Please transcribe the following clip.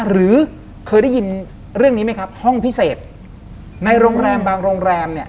หรือเคยได้ยินเรื่องนี้ไหมครับห้องพิเศษในโรงแรมบางโรงแรมเนี่ย